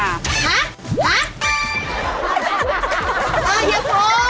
ฮะฮะ